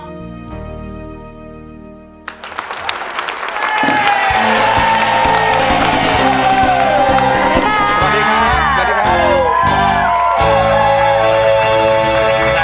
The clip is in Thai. สวัสดีครับ